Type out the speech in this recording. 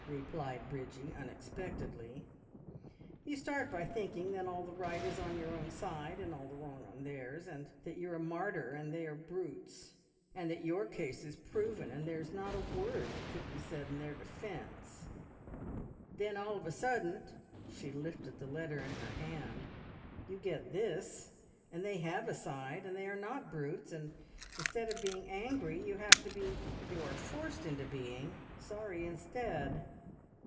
replied Bridgie unexpectedly. "You start by thinking that all the right is on your own side, and all the wrong on theirs, and that you're a martyr and they are brutes, and that your case is proven and there's not a word that could be said in their defence; and then of a sudden " she lifted the letter in her hand "you get this! And they have a side, and they are not brutes; and instead of being angry you have to be you are forced into being sorry instead!